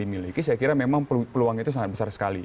dimiliki saya kira memang peluang itu sangat besar sekali